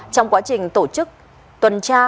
trong quá trình tổ chức tuần tra